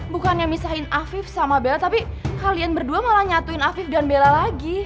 bukannya misahin afif sama bella tapi kalian berdua malah nyatuin afif dan bella lagi